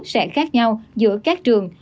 sẽ khác nhau giữa các trường